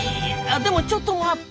でもちょっと待った！